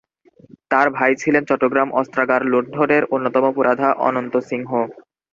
তার ভাই ছিলেন চট্টগ্রাম অস্ত্রাগার লুণ্ঠনের অন্যতম পুরোধা অনন্ত সিংহ।